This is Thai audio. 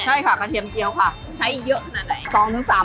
ใช่ค่ะกระเทียมเจียวค่ะใช้เยอะขนาดไหน